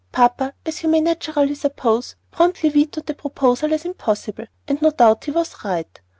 Papa, as you may naturally suppose, promptly vetoed the proposal as impossible, and no doubt he was right.